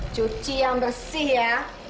cuci yang bersih ya